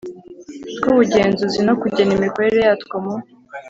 Twubugenzuzi no kugena imikorere yatwo mu